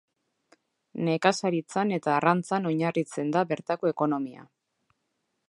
Nekazaritzan eta arrantzan oinarritzen da bertako ekonomia.